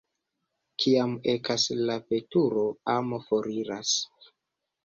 Kiam ekas la veturo, amo foriras.